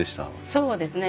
そうですね。